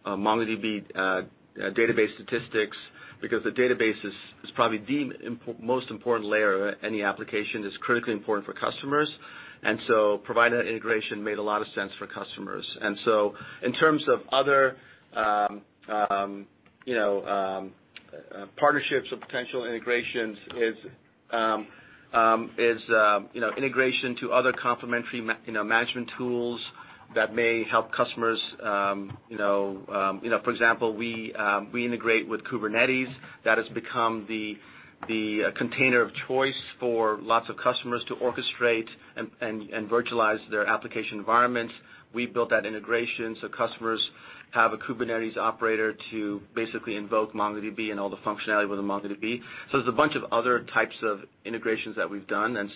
MongoDB database statistics, because the database is probably the most important layer of any application, is critically important for customers. Providing that integration made a lot of sense for customers. In terms of other partnerships or potential integrations is integration to other complementary management tools that may help customers. For example, we integrate with Kubernetes. That has become the container of choice for lots of customers to orchestrate and virtualize their application environments. We built that integration so customers have a Kubernetes operator to basically invoke MongoDB and all the functionality within MongoDB. There's a bunch of other types of integrations that we've done.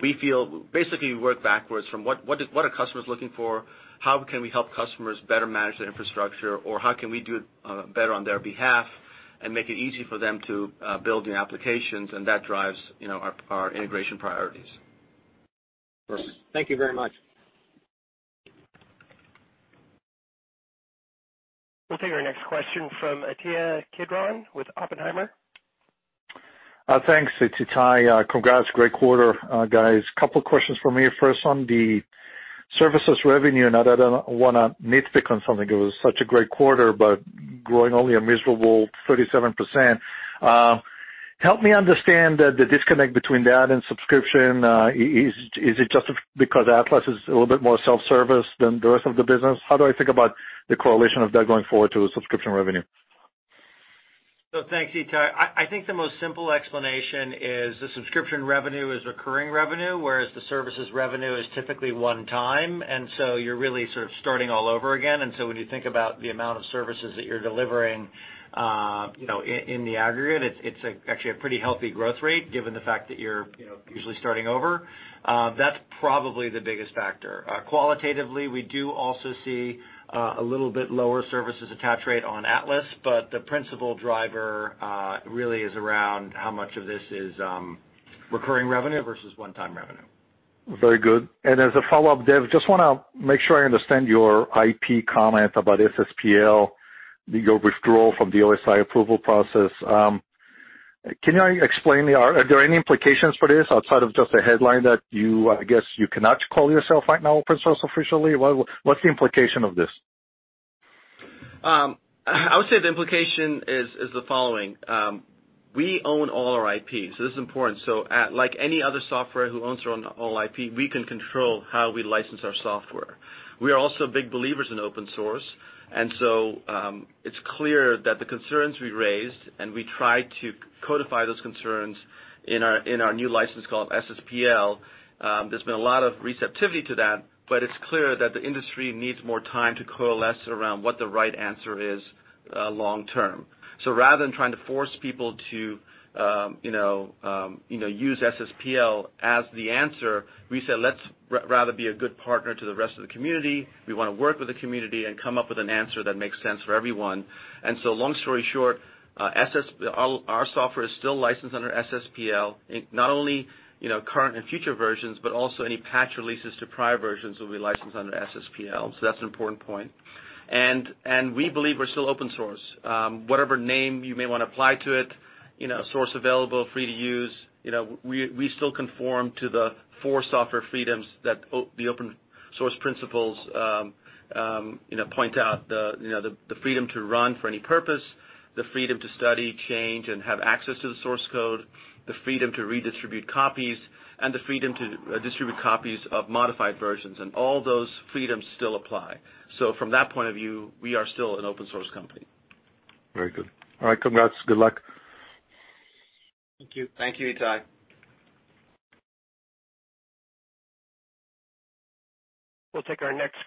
We feel, basically we work backwards from what are customers looking for? How can we help customers better manage their infrastructure, or how can we do it better on their behalf and make it easy for them to build new applications? That drives our integration priorities. Perfect. Thank you very much. We'll take our next question from Ittai Kidron with Oppenheimer. Thanks. It's Ittai. Congrats. Great quarter, guys. Couple questions from me. First, on the services revenue, I don't want to nitpick on something that was such a great quarter, but growing only a miserable 37%. Help me understand the disconnect between that and subscription. Is it just because Atlas is a little bit more self-service than the rest of the business? How do I think about the correlation of that going forward to subscription revenue? Thanks, Ittai. I think the most simple explanation is the subscription revenue is recurring revenue, whereas the services revenue is typically one time, you're really sort of starting all over again. When you think about the amount of services that you're delivering in the aggregate, it's actually a pretty healthy growth rate given the fact that you're usually starting over. That's probably the biggest factor. Qualitatively, we do also see a little bit lower services attach rate on Atlas, the principal driver really is around how much of this is recurring revenue versus one-time revenue. Very good. As a follow-up, Dev, just want to make sure I understand your IP comment about SSPL, your withdrawal from the OSI approval process. Can you explain, are there any implications for this outside of just a headline that you, I guess, you cannot call yourself right now open source officially? What's the implication of this? I would say the implication is the following. We own all our IP, this is important. Like any other software who owns their own IP, we can control how we license our software. We are also big believers in open source, it's clear that the concerns we raised, and we try to codify those concerns in our new license called SSPL. There's been a lot of receptivity to that, it's clear that the industry needs more time to coalesce around what the right answer is long term. Rather than trying to force people to use SSPL as the answer, we said let's rather be a good partner to the rest of the community. We want to work with the community and come up with an answer that makes sense for everyone. Long story short, our software is still licensed under SSPL, not only current and future versions, but also any patch releases to prior versions will be licensed under SSPL. That's an important point. We believe we're still open source. Whatever name you may want to apply to it, source available, free to use. We still conform to the four software freedoms that the open source principles point out. The freedom to run for any purpose, the freedom to study, change and have access to the source code, the freedom to redistribute copies, and the freedom to distribute copies of modified versions. All those freedoms still apply. From that point of view, we are still an open source company. Very good. All right. Congrats. Good luck. Thank you. Thank you, Ittai. We'll take our next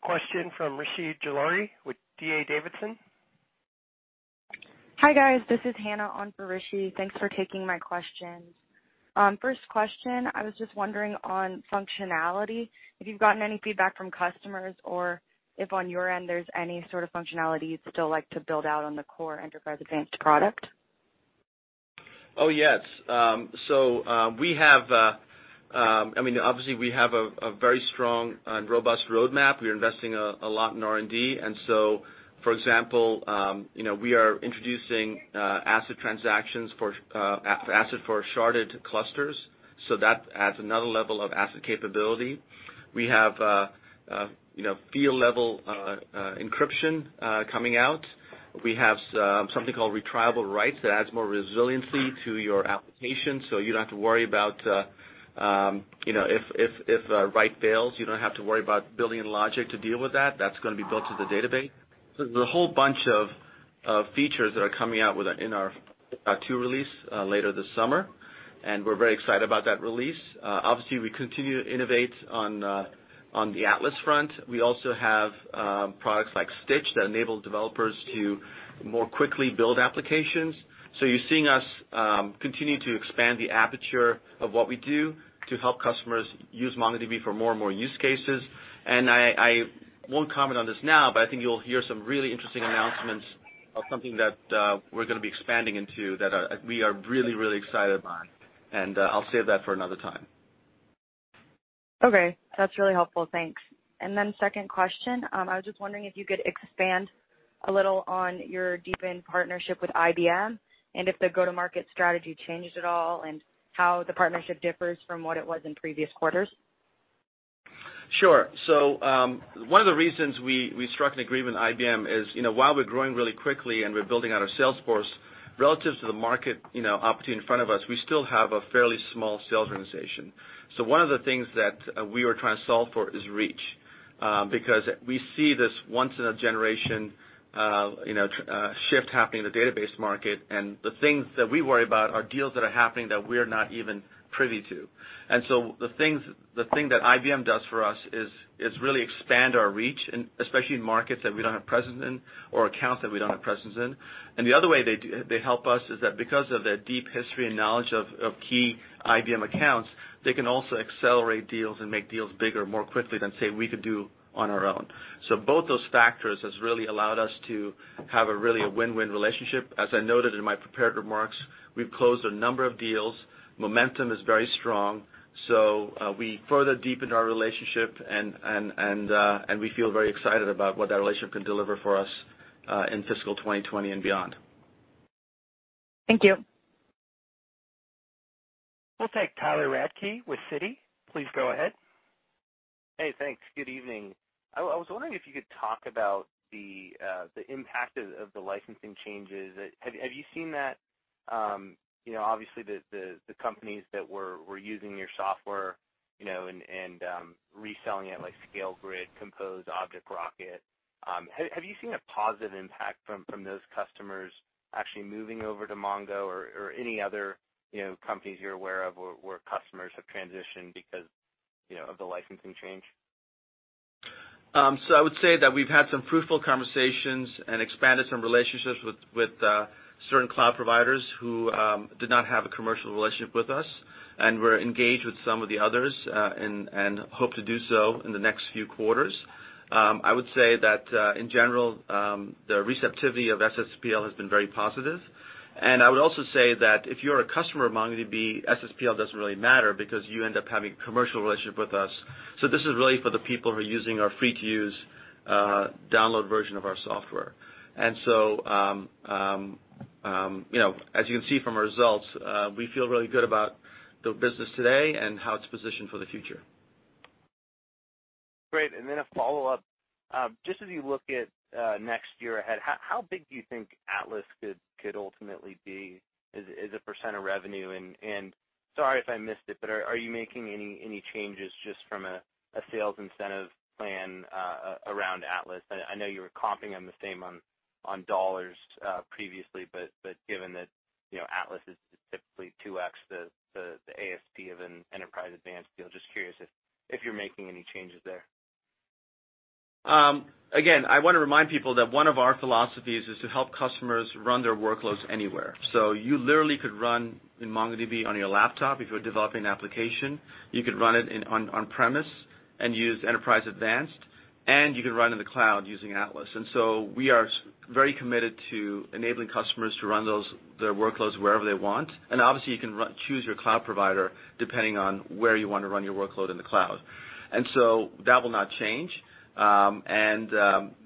question from Rishi Jaluria with D.A. Davidson. Hi, guys. This is Hannah on for Rishi. Thanks for taking my questions. First question, I was just wondering on functionality, if you've gotten any feedback from customers or if on your end there's any sort of functionality you'd still like to build out on the core Enterprise Advanced product? Yes. Obviously we have a very strong and robust roadmap. We are investing a lot in R&D. For example, we are introducing ACID transactions for ACID for sharded clusters. That adds another level of ACID capability. We have Field-Level Encryption coming out. We have something called Retryable Writes that adds more resiliency to your application, so you don't have to worry about if a write fails, you don't have to worry about building logic to deal with that. That's going to be built to the database. There's a whole bunch of features that are coming out in our two release later this summer. We're very excited about that release. Obviously, we continue to innovate on the Atlas front. We also have products like Stitch that enable developers to more quickly build applications. You're seeing us continue to expand the aperture of what we do to help customers use MongoDB for more and more use cases. I won't comment on this now, but I think you'll hear some really interesting announcements of something that we're going to be expanding into that we are really, really excited by. I'll save that for another time. Okay. That's really helpful. Thanks. Second question, I was just wondering if you could expand a little on your deepened partnership with IBM and if the go-to-market strategy changed at all, and how the partnership differs from what it was in previous quarters. Sure. One of the reasons we struck an agreement with IBM is while we're growing really quickly and we're building out our sales force, relative to the market opportunity in front of us, we still have a fairly small sales organization. One of the things that we are trying to solve for is reach. Because we see this once in a generation shift happening in the database market, and the things that we worry about are deals that are happening that we're not even privy to. The thing that IBM does for us is really expand our reach and especially in markets that we don't have presence in or accounts that we don't have presence in. The other way they help us is that because of their deep history and knowledge of key IBM accounts, they can also accelerate deals and make deals bigger more quickly than, say, we could do on our own. Both those factors has really allowed us to have a really a win-win relationship. As I noted in my prepared remarks, we've closed a number of deals. Momentum is very strong. We further deepened our relationship and we feel very excited about what that relationship can deliver for us in fiscal 2020 and beyond. Thank you. We'll take Tyler Radke with Citi. Please go ahead. Hey, thanks. Good evening. I was wondering if you could talk about the impact of the licensing changes. Have you seen that obviously the companies that were using your software and reselling it like ScaleGrid, Compose, ObjectRocket, have you seen a positive impact from those customers actually moving over to Mongo or any other companies you're aware of where customers have transitioned because of the licensing change? I would say that we've had some fruitful conversations and expanded some relationships with certain cloud providers who did not have a commercial relationship with us, and we're engaged with some of the others, and hope to do so in the next few quarters. I would also say that, in general, the receptivity of SSPL has been very positive. I would also say that if you're a customer of MongoDB, SSPL doesn't really matter because you end up having a commercial relationship with us. This is really for the people who are using our free-to-use download version of our software. As you can see from our results, we feel really good about the business today and how it's positioned for the future. Great. A follow-up. Just as you look at next year ahead, how big do you think Atlas could ultimately be as a percent of revenue? Sorry if I missed it, but are you making any changes just from a sales incentive plan around Atlas? I know you were comping on the same on dollars previously, but given that Atlas is typically 2x the ASP of an Enterprise Advanced deal, just curious if you're making any changes there. Again, I want to remind people that one of our philosophies is to help customers run their workloads anywhere. You literally could run MongoDB on your laptop if you're developing an application. You could run it on premise and use Enterprise Advanced, and you can run in the cloud using Atlas. We are very committed to enabling customers to run their workloads wherever they want. Obviously you can choose your cloud provider depending on where you want to run your workload in the cloud. That will not change. We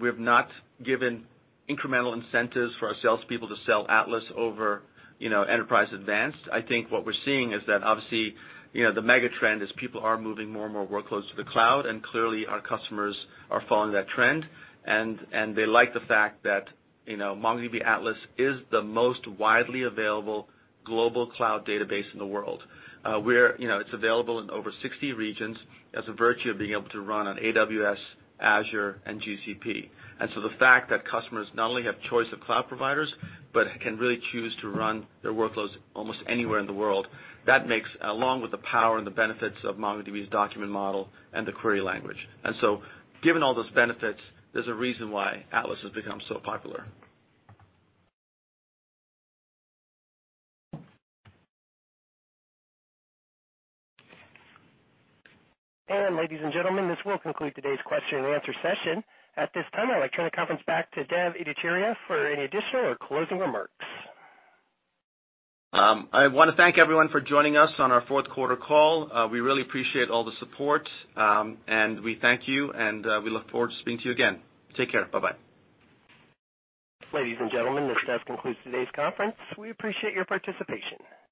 have not given incremental incentives for our salespeople to sell Atlas over Enterprise Advanced. I think what we're seeing is that obviously, the mega trend is people are moving more and more workloads to the cloud, and clearly, our customers are following that trend. They like the fact that MongoDB Atlas is the most widely available global cloud database in the world. It's available in over 60 regions as a virtue of being able to run on AWS, Azure, and GCP. The fact that customers not only have choice of cloud providers, but can really choose to run their workloads almost anywhere in the world, that makes, along with the power and the benefits of MongoDB's document model and the query language. Given all those benefits, there's a reason why Atlas has become so popular. Ladies and gentlemen, this will conclude today's question and answer session. At this time, I'd like turn the conference back to Dev Ittycheria for any additional or closing remarks. I want to thank everyone for joining us on our fourth quarter call. We really appreciate all the support, and we thank you, and we look forward to speaking to you again. Take care. Bye-bye. Ladies and gentlemen, this does conclude today's conference. We appreciate your participation.